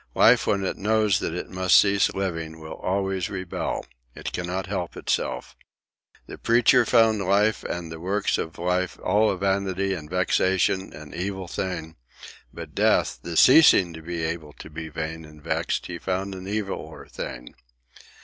Life, when it knows that it must cease living, will always rebel. It cannot help itself. The Preacher found life and the works of life all a vanity and vexation, an evil thing; but death, the ceasing to be able to be vain and vexed, he found an eviler thing.